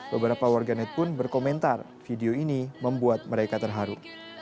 beberapa warganet pun berkomentar video ini membuat mereka terharu